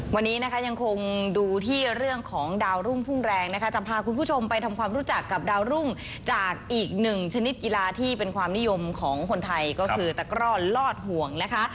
วันนี้นะคะยังคงดูที่เรื่องของดาวรุ่งพุ่งแรงนะคะจะพาคุณผู้ชมไปทำความรู้จักกับดาวรุ่งจากอีกหนึ่งชนิดกีฬาที่เป็นความนิยมของคนไทยก็คือตะกร่อนลอดห่วงนะคะ